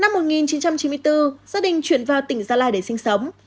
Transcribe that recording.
năm một nghìn chín trăm chín mươi bốn gia đình chuyển vào tỉnh gia lai để sinh sống